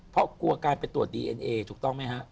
เพราะกลัวการไปตรวจดีเอ็นเอถูกต้องไหมฮะ